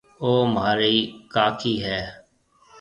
او مهارِي ڪاڪِي هيَ۔